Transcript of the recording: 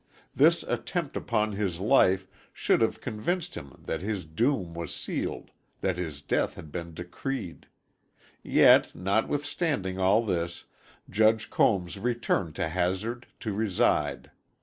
This attempt upon his life should have convinced him that his doom was sealed, that his death had been decreed. Yet, notwithstanding all this, Judge Combs returned to Hazard to reside.